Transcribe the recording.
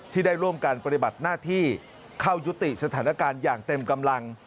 ที่ได้ร่วมการปฏิบัติหน้าที่เข้ายุติสถานการณ์อย่างเต็มกำลัง